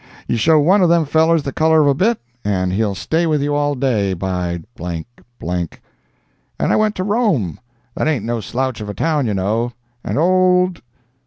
You show one of them fellers the color of a bit, and he'll stay with you all day, by __________. And I went to Rome—that ain't no slouch of a town, you know—and old?